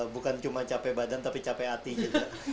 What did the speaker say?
bukan cuma capek badan tapi capek hati gitu